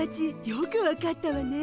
よく分かったわね。